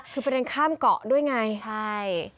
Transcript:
คือเป็นทางข้ามเกาะด้วยไงใช่